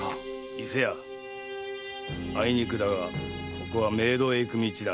伊勢屋あいにくだがここは冥土へ行く道だ。